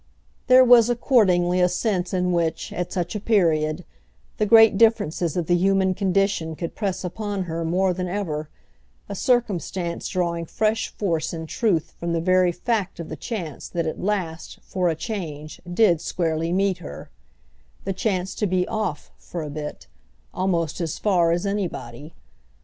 There was accordingly a sense in which, at such a period, the great differences of the human condition could press upon her more than ever; a circumstance drawing fresh force in truth from the very fact of the chance that at last, for a change, did squarely meet her—the chance to be "off," for a bit, almost as far as anybody.